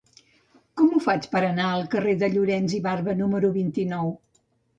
Com ho faig per anar al carrer de Llorens i Barba número vint-i-nou?